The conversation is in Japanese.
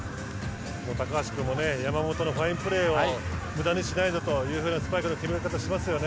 高橋君も山本のファインプレーを無駄にしないぞというスパイクの決め方をしますよね。